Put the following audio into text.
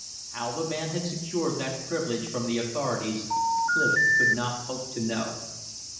How the man had secured that privilege from the authorities Clif could not hope to know.